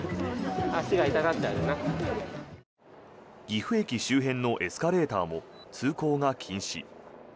岐阜駅周辺のエスカレーターも通行が禁止。